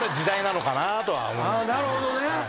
なるほどね。